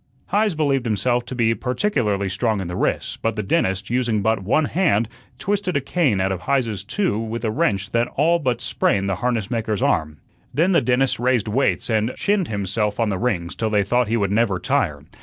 Heise believed himself to be particularly strong in the wrists, but the dentist, using but one hand, twisted a cane out of Heise's two with a wrench that all but sprained the harnessmaker's arm. Then the dentist raised weights and chinned himself on the rings till they thought he would never tire.